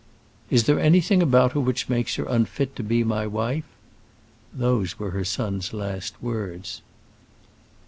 "Is there anything about her which makes her unfit to be my wife?" Those were her son's last words.